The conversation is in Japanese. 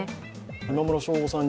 今村翔吾さん